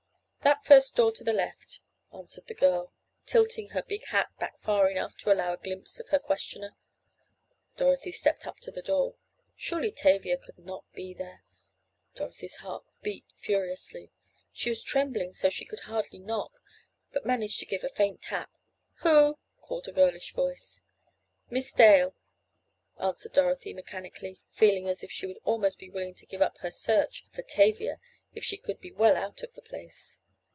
"That first door to the left," answered the girl, tilting her big hat back far enough to allow a glimpse of her questioner. Dorothy stepped up to the door. Surely Tavia could not be there! Dorothy's heart beat furiously. She was trembling so she could hardly knock, but managed to give a faint tap. "Who?" called a girlish voice. "Miss Dale," answered Dorothy mechanically, feeling as if she would almost be willing to give up her search for Tavia if she could be well out of the place.